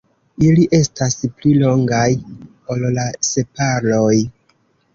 Ili estas pli longaj ol la sepaloj.